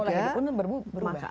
pola hidup pun berubah